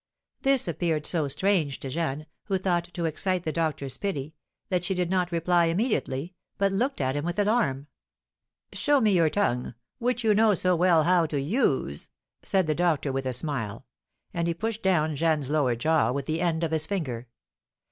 This appeared so strange to Jeanne, who thought to excite the doctor's pity, that she did not reply immediately, but looked at him with alarm. "Show me your tongue, which you know so well how to use," said the doctor, with a smile; and he pushed down Jeanne's lower jaw with the end of his finger.